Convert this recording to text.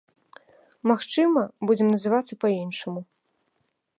Магчыма, будзем называцца па-іншаму.